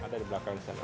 ada di belakang